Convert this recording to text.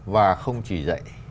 và không chỉ dạy